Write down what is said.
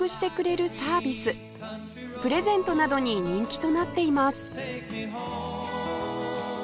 プレゼントなどに人気となっています